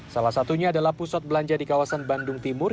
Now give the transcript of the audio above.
salah satunya adalah pusat belanja di kawasan bandung timur